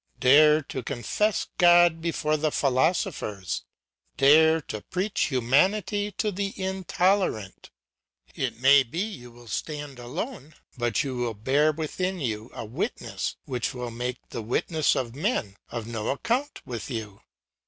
Dare to confess God before the philosophers; dare to preach humanity to the intolerant. It may be you will stand alone, but you will bear within you a witness which will make the witness of men of no account with you.